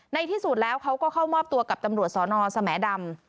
ที่สุดแล้วเขาก็เข้ามอบตัวกับตำรวจสอนอสแหมดำ